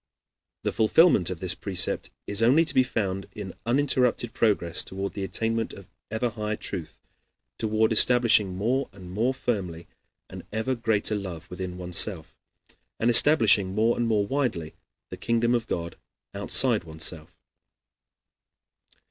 The fulfillment of this precept is only to be found in uninterrupted progress toward the attainment of ever higher truth, toward establishing more and more firmly an ever greater love within oneself, and establishing more and more widely the kingdom of God outside oneself.